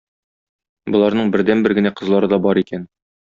Боларның бердәнбер генә кызлары да бар икән.